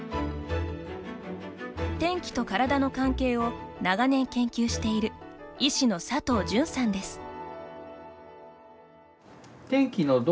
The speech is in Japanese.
天気と体の関係を長年研究している医師の佐藤純さんです。